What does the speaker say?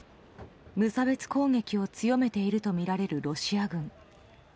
無差別攻撃を強めているとみられるロシア軍。